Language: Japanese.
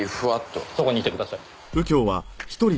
そこにいてください。